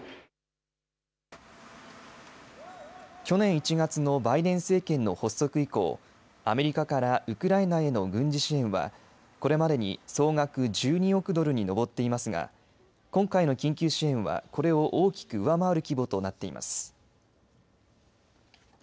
去年１月のバイデン政権の発足以降、アメリカからウクライナへの軍事支援は、これまでに総額１２億ドルに上っていますが今回の緊急支援はこれを大きく上回る規模となっています。